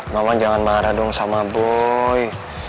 mama jangan marah dong sama boy